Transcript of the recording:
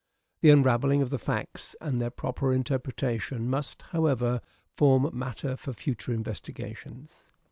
The unravelling of the facts and their proper interpretation must, however, form matter for future investigations.